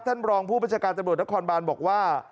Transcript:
ท่านบรองผู้บัญชาการตำรวจนักความบ้านบอกว่า